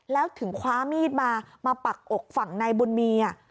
แล้วถึงคว้ามีดมาปักอกฝั่งในบนเมีย